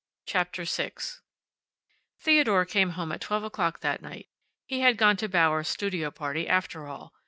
CHAPTER SIX Theodore came home at twelve o'clock that night. He had gone to Bauer's studio party after all.